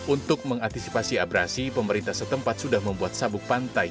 untuk mengantisipasi abrasi pemerintah setempat sudah membuat sabuk pantai